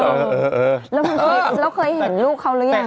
แล้วเคยเห็นลูกเขาหรือยัง